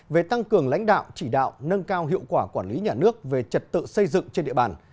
về tăng cường lãnh đạo chỉ đạo nâng cao hiệu quả quản lý nhà nước về trật tự xây dựng trên địa bàn